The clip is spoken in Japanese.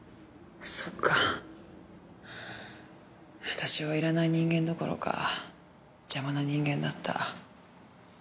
私は要らない人間どころか邪魔な人間だった。